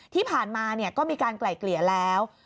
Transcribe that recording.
ที่ผ่านมาก็มีการไกล่เกลี่ยแล้ว